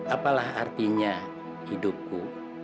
apalah artinya hidupku